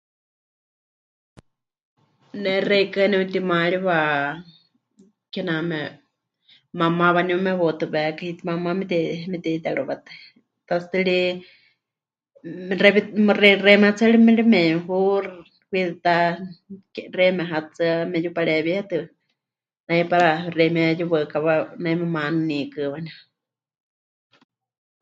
Ne xeikɨ́a nepɨtimaariwa kename mamá waaníu mewautɨwékai, mamá mete'i... mete'iterɨwátɨ, tatsɨ tɨ ri xewi... xei... xeíme hetsɨa meri memɨhu kwitɨ ta ke... xeíme hetsɨa, meyupareewíetɨ nai para xeimíe yuwaɨkawa nai memanɨníkɨ́ waaníu.